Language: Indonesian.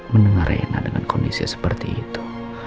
mendengar rena dengan kondisi seperti itu